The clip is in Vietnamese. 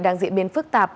đang diễn biến phức tạp